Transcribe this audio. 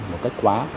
một cách quá